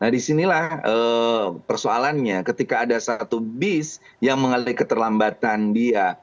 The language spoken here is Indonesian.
di sinilah persoalannya ketika ada satu bis yang mengalir keterlambatan dia